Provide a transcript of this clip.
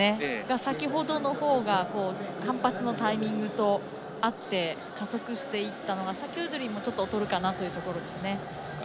先ほどのほうが反発のタイミングと合って加速していったのが先ほどよりもちょっと劣るかなというところです。